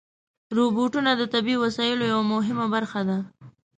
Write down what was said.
روبوټونه د طبي وسایلو یوه مهمه برخه ده.